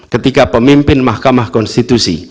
ketika pemimpin mahkamah konstitusi